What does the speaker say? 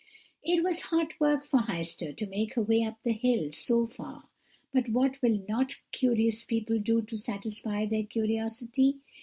"It was hot work for Heister to make her way up the hill so far, but what will not curious people do to satisfy their curiosity?